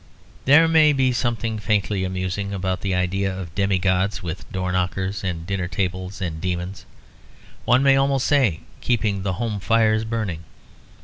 There may be something faintly amusing about the idea of demi gods with door knockers and dinner tables, and demons, one may almost say, keeping the home fires burning.